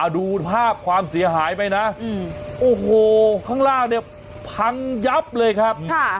ดูภาพความเสียหายไปนะโอ้โหข้างล่างเนี่ยพังยับเลยครับ